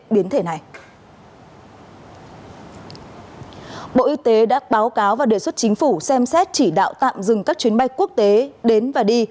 bộ y tế đã báo cáo và đề xuất chính phủ xem xét chỉ đạo tạm dừng các chuyến bay quốc tế đến và đi